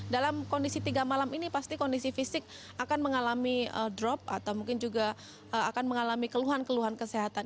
dalam kondisi tiga malam ini pasti kondisi fisik akan mengalami drop atau mungkin juga akan mengalami keluhan keluhan kesehatan